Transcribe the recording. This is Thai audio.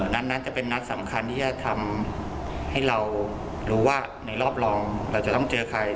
นัดนั้นจะเป็นนัดสำคัญที่จะทำให้เรารู้ว่าในรอบรองเราจะต้องเจอใคร